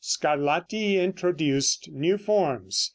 Scarlatti introduced new forms.